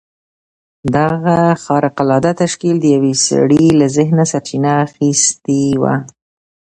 دغه خارق العاده تشکيل د يوه سړي له ذهنه سرچينه اخيستې وه.